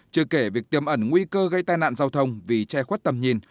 chưa kể việc tiêm ẩn nguy cơ gây tai nạn giao thông vì che khuất tầm nhìn